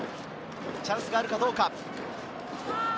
チャンスがあるかどうか。